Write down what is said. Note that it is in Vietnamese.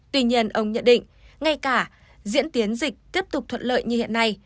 tuy nhiên ông nhận định ngay cả diễn tiến dịch tiếp tục thuận lợi như hiện nay